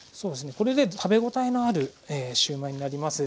これで食べ応えのあるシューマイになります。